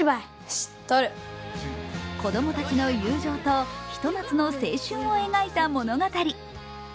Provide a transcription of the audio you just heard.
子供たちの友情とひと夏の青春を描いた物語。